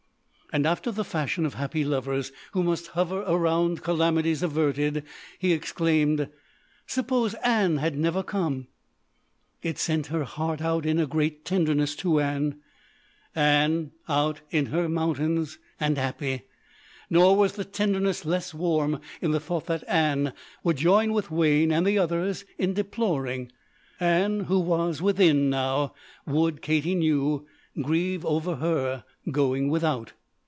And after the fashion of happy lovers who must hover around calamities averted, he exclaimed: "Suppose Ann had never come!" It sent her heart out in a great tenderness to Ann: Ann, out in her mountains, and happy. Nor was the tenderness less warm in the thought that Ann would join with Wayne and the others in deploring. Ann, who was within now, would, Katie knew, grieve over her going without.